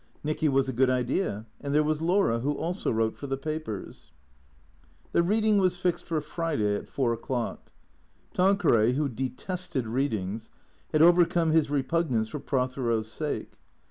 Xicky was a good idea, and there was Laura who also wrote for the papers. The reading was fixed for Friday at four o'clock. Tanqueray, who detested readings, had overcome his repugnance for Pro thero's sake.